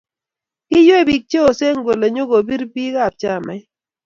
Kiywey bik che osen kole nyo kobir bik ab chamait.